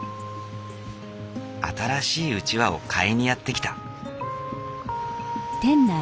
新しいうちわを買いにやって来た。